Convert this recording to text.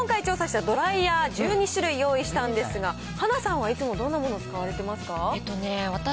こちらに今回調査したドライヤー１２種類用意したんですが、はなさんはいつも、どんなものを使われてますか。